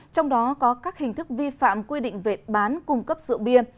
trong đó có các hình thức vi phạm quy định về bán cung cấp rượu bia